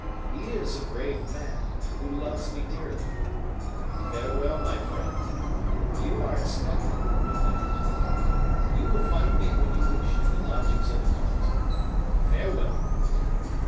He is a brave man, who loves me dearly. Farewell, my friend; you are expected, no doubt; you will find me, when you wish, at the lodgings of the comte. Farewell!"